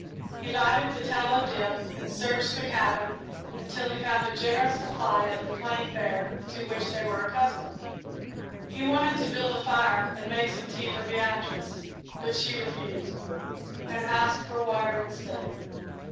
He lighted the tallow dip and searched the cabin until he found a generous supply of the plain fare to which they were accustomed. He wanted to build a fire and make some tea for Beatrice, but she refused, and asked for water instead.